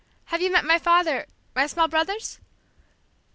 "Have you met my father my small brothers?"